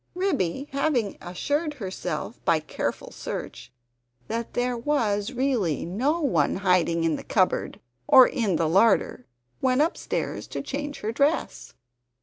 Ribby having assured herself by careful search that there was really no one hiding in the cupboard or in the larder went upstairs to change her dress.